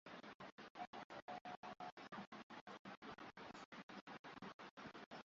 cha utafiti na maendeleo cha mjini arusha mel ulwechi